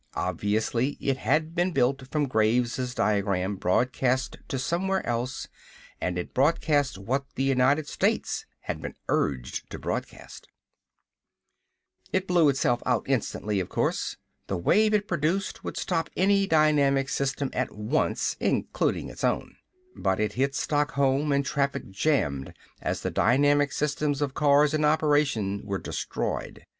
Obviously, it had been built from Graves' diagram broadcast to somewhere else and it broadcast what the United States had been urged to broadcast. It blew itself out instantly, of course. The wave it produced would stop any dynamic system at once, including its own. But it hit Stockholm and traffic jammed as the dynamic systems of cars in operation were destroyed.